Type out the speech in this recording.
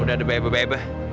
udah ada bebe bebe